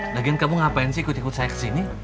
bagian kamu ngapain sih ikut ikut saya kesini